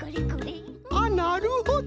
あっなるほど！